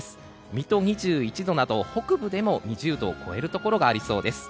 水戸、２１度など北部でも２０度を超えるところがありそうです。